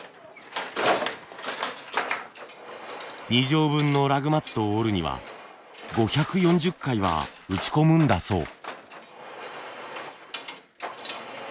２畳分のラグマットを織るには５４０回は打ち込むんだそう。